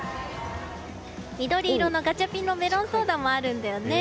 緑色のガチャピンのメロンソーダもあるんだよね。